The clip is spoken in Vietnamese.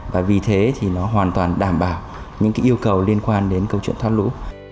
và vì thế thì nó hoàn toàn đảm bảo những yêu cầu liên quan đến câu chuyện thoát lũ